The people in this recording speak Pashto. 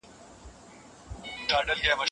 د کیسو کتابونه ماسومان ډېر زیات خوښوي.